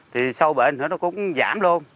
thì sau bệnh nó cũng giảm luôn